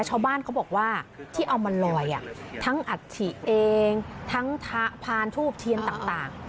ชาวบ้านเขาบอกว่าที่เอามาลอยทั้งอัฐิเองทั้งพานทูบเทียนต่าง